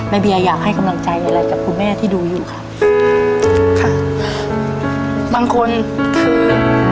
เบียอยากให้กำลังใจอะไรกับคุณแม่ที่ดูอยู่ครับค่ะบางคนคือ